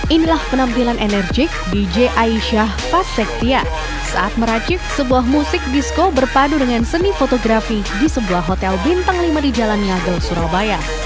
inilah penampilan enerjik dj aisyah fasektia saat meracik sebuah musik disco berpadu dengan seni fotografi di sebuah hotel bintang lima di jalan ngagel surabaya